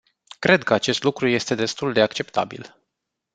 Cred că acest lucru este destul de acceptabil.